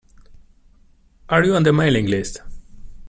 Are you on the mailing list?